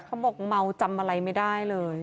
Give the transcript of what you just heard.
เขาบอกเมาจำอะไรไม่ได้เลย